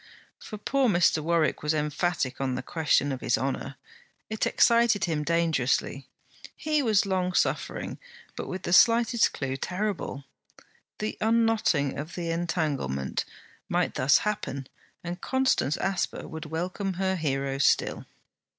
For poor Mr. Warwick was emphatic on the question of his honour. It excited him dangerously. He was long suffering, but with the slightest clue terrible. The unknotting of the entanglement might thus happen and Constance Asper would welcome her hero still.